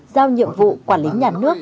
giao nhiệm vụ quản lý nhà nước